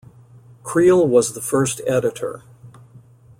Creel was the first editor.